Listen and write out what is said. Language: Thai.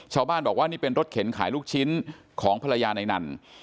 ชาวบ้านบอกว่านี่เป็นรถเข็นขายลูกชิ้นของภรรยาในนั้น